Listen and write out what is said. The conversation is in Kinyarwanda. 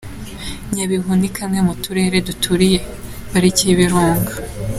Nyabihu ni kamwe mu turere duturiye Parike y’ibirunga.